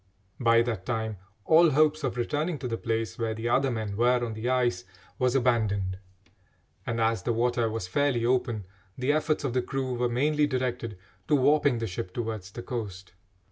By that time all hopes of returning to the place where the other men were on the ice was abandoned, and, as the water was fairly open, the efforts of the crew were mainly directed to warping the ship towards the coast.